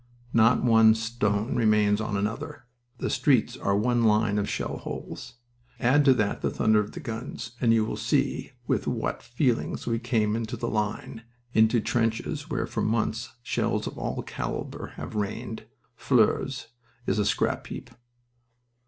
Not one stone remains on another. The streets are one line of shell holes. Add to that the thunder of the guns, and you will see with what feelings we come into the line into trenches where for months shells of all caliber have rained... Flers is a scrap heap."